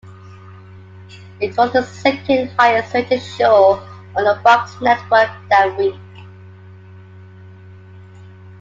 It was the second highest rated show on the Fox network that week.